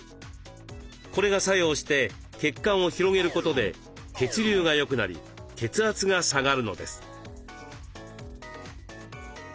これが作用して血管を広げることで血流がよくなり血圧が下がるのです。